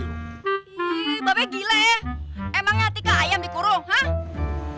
ihh babes gila ya emangnya hati kak ayam dikurung